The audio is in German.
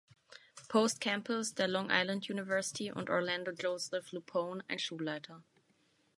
Post Campus der Long Island University, und Orlando Joseph LuPone, ein Schulleiter.